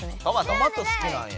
トマト好きなんや。